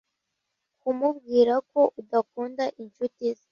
Kumubwira ko udakunda inshuti ze